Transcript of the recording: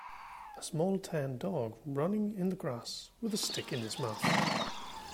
a small tan dog running in the grass with a stick in his mouth